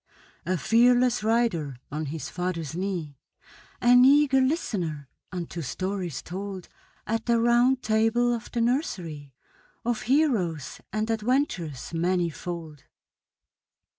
A fearless rider on his father's knee, An eager listener unto stories told At the Round Table of the nursery, Of heroes and adventures manifold.